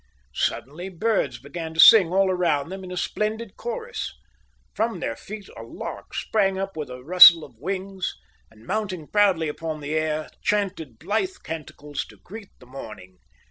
Suddenly birds began to sing all around them in a splendid chorus. From their feet a lark sprang up with a rustle of wings and, mounting proudly upon the air, chanted blithe canticles to greet the morning.